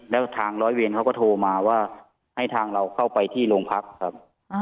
แล้วทางร้อยเวรเขาก็โทรมาว่าให้ทางเราเข้าไปที่โรงพักครับ